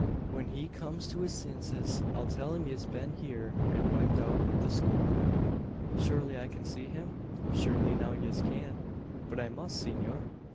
Whin he comes to his sinses, I'll till him yez hiv been heeur, and wiped out the score." "Surely I can see him?" "Shurely now yez cyant." "But I must, senor!"